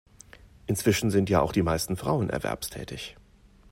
Inzwischen sind ja auch die meisten Frauen erwerbstätig.